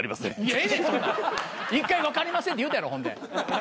１回分かりませんって言うたやろほんで。